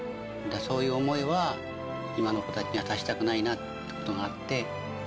そういう思いは今の子たちにはさせたくないなってことがあって。